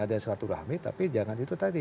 ada selaturahmi tapi jangan itu tadi